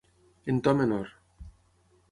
En to menor.